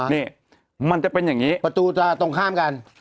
นี่มันจะเป็นอย่างนี้ประตูจะตรงข้ามกัน